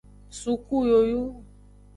Suku yoyu.